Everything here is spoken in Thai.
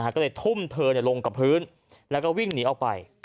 ก็เลยทุ่มเธอลงกับพื้นแล้วก็วิ่งหนีออกไป